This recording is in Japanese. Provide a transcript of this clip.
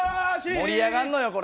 盛り上がんのよ、これ。